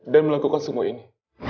dan melakukan semuanya ini